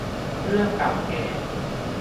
เรื่องเก่าแก่